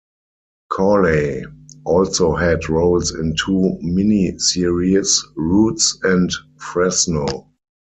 Corley also had roles in two mini-series, "Roots" and "Fresno".